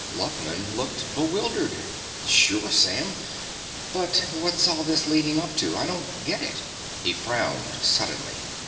Luckman looked bewildered. "Sure, Sam. But what's all this leading up to? I don't get it." He frowned suddenly.